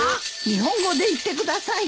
日本語で言ってください。